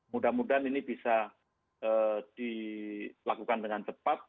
mudah mudahan ini bisa dilakukan dengan cepat